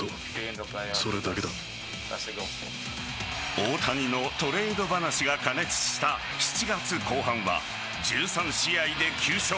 大谷のトレード話が過熱した７月後半は１３試合で９勝。